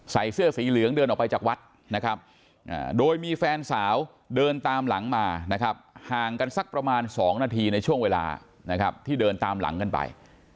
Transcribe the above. ใส่เสื้อสีเหลืองเดินออกไปจากวัดนะครับโดยมีแฟนสาวเดินตามหลังมานะครับห่างกันสักประมาณ๒นาทีในช่วงเวลานะครับที่เดินตามหลังกันไป